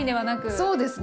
まあそうですね。